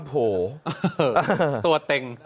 โอ้โฮตัวเต็ง